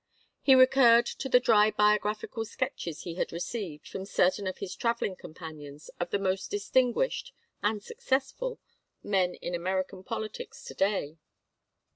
He recurred to the dry biographical sketches he had received, from certain of his travelling companions, of the most distinguished and successful! men in American politics to day.